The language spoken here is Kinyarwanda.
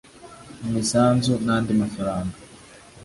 imisanzu n andi mafaranga